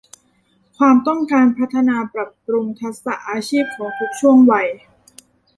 ความต้องการพัฒนาปรับปรุงทักษะอาชีพของทุกช่วงวัย